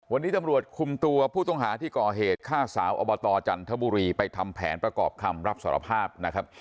วันนี้ตำรวจคุมตัวผู้ต้องหาที่ก่อเหตุฆ่าสาวอบตจันทบุรีไปทำแผนประกอบคำรับสารภาพนะครับ